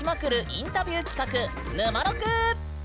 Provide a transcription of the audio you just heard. インタビュー企画「ぬまろく」！